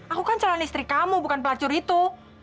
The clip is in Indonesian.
aku kan calon istri kamu bukan pelacur itu